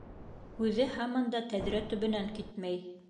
Үҙе һаман да тәҙрә төбөнән китмәй.